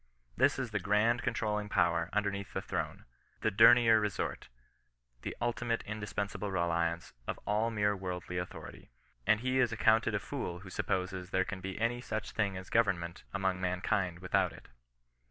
This is the grand controlling power underneath the CHRISTIAN NON BESISTANCE. 43 throne, the dernier resort;, the ultimate indispensable reliance of all mere worldly authority. And he is ac counted a fool who supposes there can be any such thing as government among mankind without it.